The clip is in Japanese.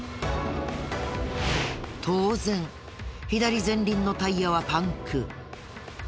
当然左前輪のタイヤはパンク。